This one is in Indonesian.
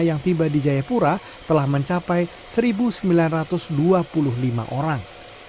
yang tiba di jayapura telah mencapai satu sembilan ratus dua puluh lima orang